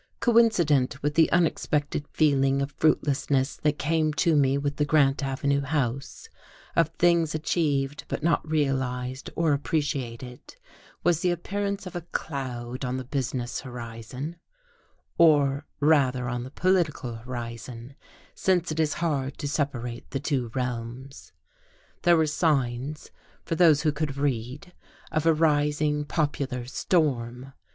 Coincident with the unexpected feeling of fruitlessness that came to me with the Grant Avenue house, of things achieved but not realized or appreciated, was the appearance of a cloud on the business horizon; or rather on the political horizon, since it is hard to separate the two realms. There were signs, for those who could read, of a rising popular storm.